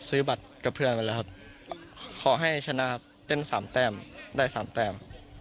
ซื้อบัตรกับเพื่อนไปแล้วครับขอให้ชนะครับเต้น๓แต้มได้๓แต้ม